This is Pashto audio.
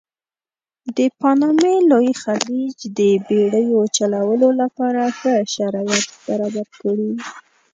د پانامې لوی خلیج د بېړیو چلولو لپاره ښه شرایط برابر کړي.